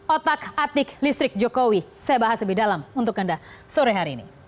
otak atik listrik jokowi saya bahas lebih dalam untuk anda sore hari ini